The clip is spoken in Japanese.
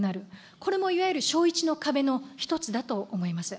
これもいわゆる小１の壁の一つだと思います。